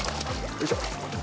よいしょ